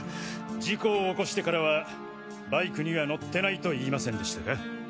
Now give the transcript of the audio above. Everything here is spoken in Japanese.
事故を起こしてからはバイクには乗ってないと言いませんでしたか？